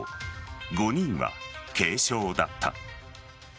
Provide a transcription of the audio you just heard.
５人は軽傷だった。